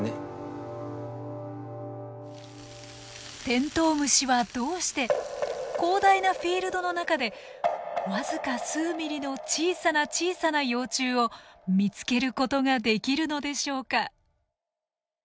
テントウムシはどうして広大なフィールドの中で僅か数ミリの小さな小さな幼虫を見つけることができるのでしょうか？